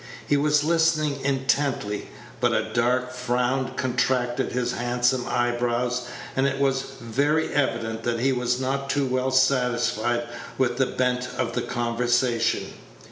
He was listening intently; but a dark frown contracted his handsome eyebrows, and it was very evident that he was not too well satisfied with the bent of the conversation.